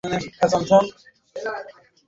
তেমনি গৃহ হইতে স্বাধীনতার শুরু।